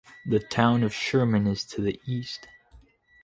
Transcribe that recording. The town of Sherman is to the east.